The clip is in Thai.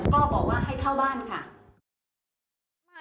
ก็บอกว่าให้เข้าบ้านค่ะ